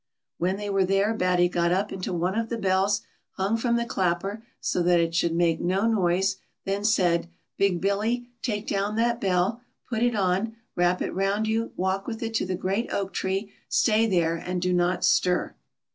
When they were 212 BATTY. there Batty got up into one of the bells, hung from the clapper, so that it should make no noise, then said, '' Big Billy, take down that bell, put it on, wrap it round you, walk with it to the great oak tree, stay there, and do not stir."